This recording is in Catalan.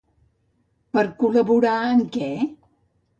Per a col·laborar en què?